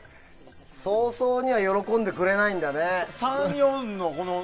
そうそう喜んではくれないんだね。